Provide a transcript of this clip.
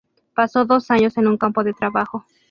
Pasó dos años en un campo de trabajo.